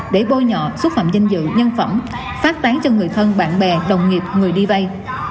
để bôi nhọ xúc phạm danh dự nhân phẩm phát tán cho người thân bạn bè đồng nghiệp người đi vay